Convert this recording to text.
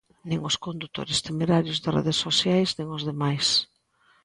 Nin os condutores temerarios de redes sociais nin os demais.